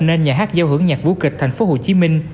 nên nhà hát giao hưởng nhạc vũ kịch tp hcm